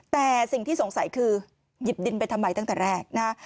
แต่สิ่งที่สงสัยคือหยิบดินไปทำไมตั้งแต่แรกนะฮะ